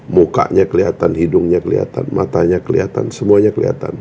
mukanya kelihatan hidungnya kelihatan matanya kelihatan semuanya kelihatan